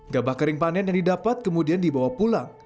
gabah kering panen yang didapat kemudian dibawa pulang